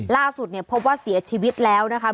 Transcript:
ล่าสุดเนี่ยพบว่าเสียชีวิตแล้วนะคะ